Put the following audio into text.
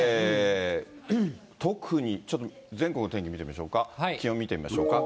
特にちょっと、全国の天気、見てみましょうか、気温見てみましょうか。